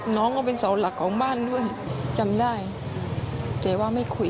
น้องก็เป็นเสาหลักของบ้านด้วยจำได้แต่ว่าไม่คุย